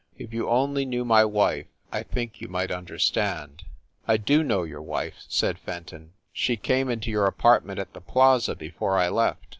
If you only knew my wife I think you might understand." "I do know your wife," said Fenton. "She came into your apartment at the Plaza before I left.